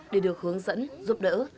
để được hướng dẫn giúp đỡ